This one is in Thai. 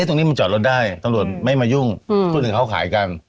ตรงนี้มันจอดรถได้ตำรวจไม่มายุ่งพูดถึงเขาขายกัน